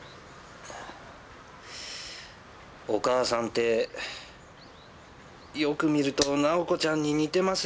お母さんってよく見ると奈緒子ちゃんに似てますよねぇ。